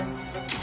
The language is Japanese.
あ！